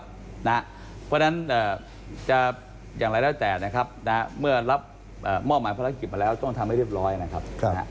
เพราะฉะนั้นจะอย่างไรแล้วแต่นะครับเมื่อรับมอบหมายภารกิจมาแล้วต้องทำให้เรียบร้อยนะครับ